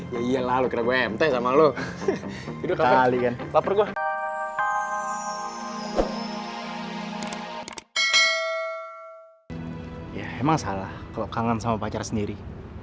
ya emang salah kalau kangen sama pacar sendiri